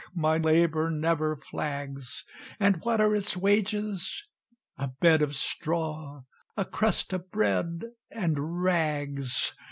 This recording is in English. My labor never flags; And what are its wages? A bed of straw, A crust of bread and rags.